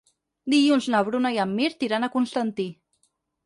Dilluns na Bruna i en Mirt iran a Constantí.